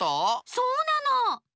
そうなの。